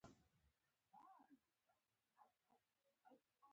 زه پوه نه شوم چې څه وايي؟